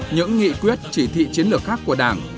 những nghị quyết chỉ thị chiến lược khác của đảng